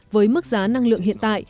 với mức giá năng lượng hiện tại